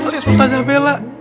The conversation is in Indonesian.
lihat ustadzah bella